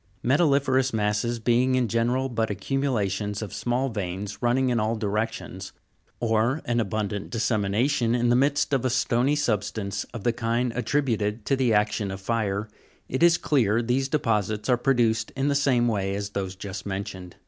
22. Metalli'ferous masses being in general but accumulations of small veins running in all directions (fig. 286), or an abundant dissemination in the midst of a stony substance of the kind attri Metalli'ferous b ute( J to t ^ e act i on o f fl re> ^ j s clear these deposits are produced in the same way as those just mentioned.